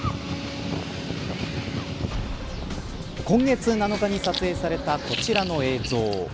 今月７日に撮影されたこちらの映像。